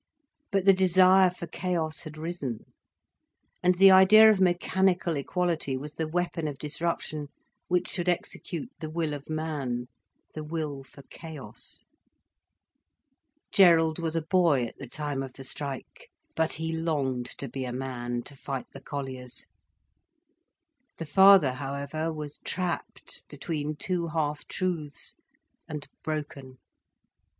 But the desire for chaos had risen, and the idea of mechanical equality was the weapon of disruption which should execute the will of man, the will for chaos. Gerald was a boy at the time of the strike, but he longed to be a man, to fight the colliers. The father however was trapped between two half truths, and broken.